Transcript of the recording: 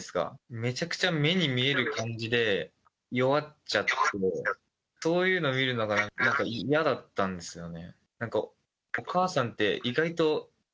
めちゃくちゃ目に見える感じで弱っちゃって、そういうのを見るのが嫌だったんですよね。